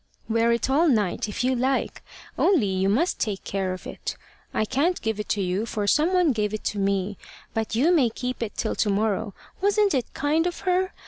'Wear it all night, if you like. Only you must take care of it. I can't give it you, for some one gave it to me; but you may keep it till to morrow.' Wasn't it kind of her?